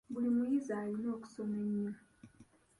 Buli muyizi alina okusoma ennyo.